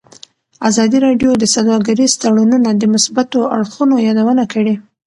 ازادي راډیو د سوداګریز تړونونه د مثبتو اړخونو یادونه کړې.